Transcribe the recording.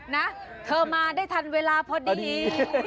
นะเธอมาได้ทันเวลาพอดี